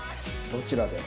どちらで？